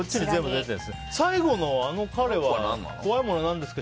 最後の彼は怖いもの何ですか？